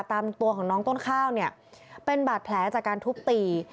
ตามตัวของน้องต้นข้าวเนี่ยเป็นบาดแผลจากการทุบตี